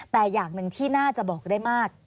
แต่อย่างหนึ่งที่น่าจะบอกได้มาก